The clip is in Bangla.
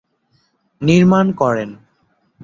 নির্মাণ করেন।